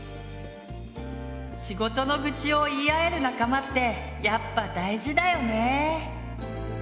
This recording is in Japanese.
仕事の愚痴を言い合える仲間ってやっぱ大事だよね！